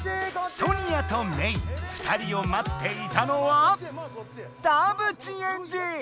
ソニアとメイ２人を待っていたのは田渕エンジ！